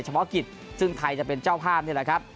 เฉพาะกิจซึ่งไทยจะเป็นเจ้าภาพนี่แหละครับ